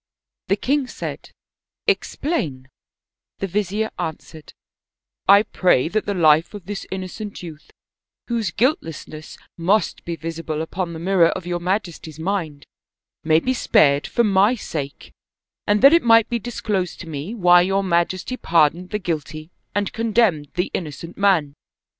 The king said, " Explain/' The vizier answered :" I pray that the life of this inno cent youth, whose guiltlessness must be visible upon the mirror of your majesty's mind, may be spared for my sake; and that it might be disclosed to me why your majesty pardoned the guilty and condemned the innocent man?"